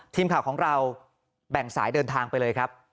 ทีมข่าวของเราแบ่งสายเดินทางไปเลยครับ